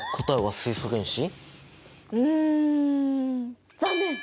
うん残念！